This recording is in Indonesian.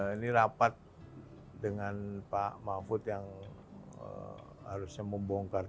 ini rapat dengan pak mahfud yang harusnya membongkar tiga ratus empat puluh sembilan